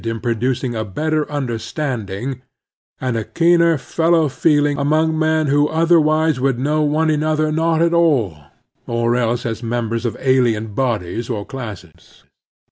in produciag a better understanding and a keener fellow feeling among men who otherwise would know one another not at all, or else as members of alien bodies or classes.